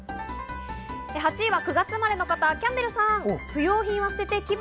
８位は９月生まれの方、キャンベルさん。